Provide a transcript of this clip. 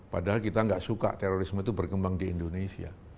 padahal kita nggak suka terorisme itu berkembang di indonesia